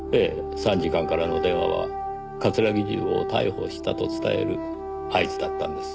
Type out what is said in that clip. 参事官からの電話は桂木重吾を逮捕したと伝える合図だったんです。